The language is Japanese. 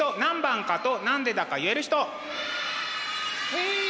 へえ！